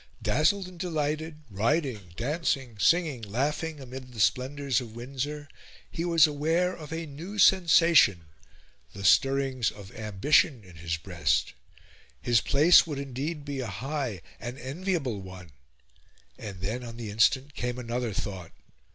Dazzled and delighted, riding, dancing, singing, laughing, amid the splendours of Windsor, he was aware of a new sensation the stirrings of ambition in his breast. His place would indeed be a high, an enviable one! And then, on the instant, came another thought.